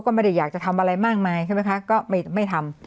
ก็ไม่ได้อยากจะทำอะไรมากมายใช่ไหมคะก็ไม่ทำ